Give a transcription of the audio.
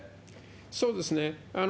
そうですね。